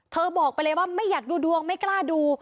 บอกไปเลยว่าไม่อยากดูดวงไม่กล้าดู